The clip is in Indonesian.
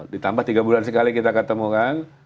ditambah tiga bulan sekali kita ketemu kan